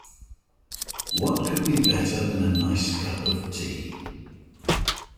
What could be better than a nice cup of tea?